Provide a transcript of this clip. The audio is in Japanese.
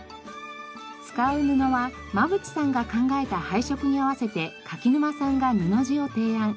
使う布は馬渕さんが考えた配色に合わせて柿沼さんが布地を提案。